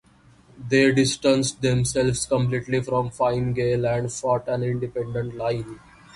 They distanced themselves completely from Fine Gael and fought an independent line.